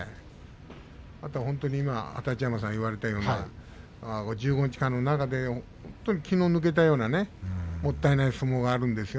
あとは本当に二十山さんがおっしゃったように１５日間の中で気の抜けたようなもったいない相撲があるんですよ